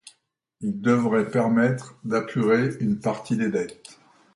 Il devrait permettre d'apurer une partie des dettes.